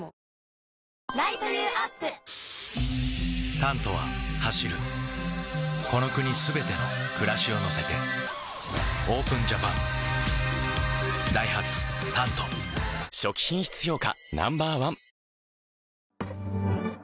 「タント」は走るこの国すべての暮らしを乗せてＯＰＥＮＪＡＰＡＮダイハツ「タント」初期品質評価